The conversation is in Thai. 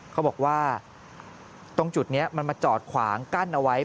เขาบอกว่าตรงจุดนี้มันมาจอดขวางกั้นเอาไว้